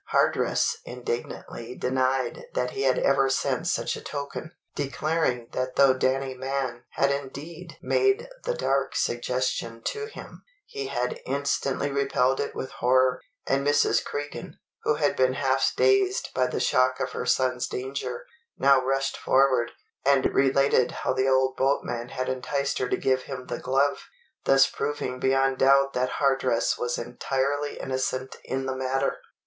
Hardress indignantly denied that he had ever sent such a token, declaring that though Danny Mann had indeed made the dark suggestion to him, he had instantly repelled it with horror; and Mrs. Cregan, who had been half dazed by the shock of her son's danger, now rushed forward, and related how the old boatman had enticed her to give him the glove, thus proving beyond doubt that Hardress was entirely innocent in the matter.